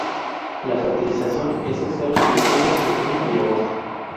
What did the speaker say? La fertilización es externa y ocurre entre junio y agosto.